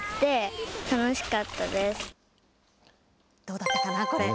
どうだったかな、これ。